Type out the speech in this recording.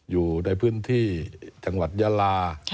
อยู่ในพื้นที่จังหวัดยาลา